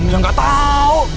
ya nggak tahu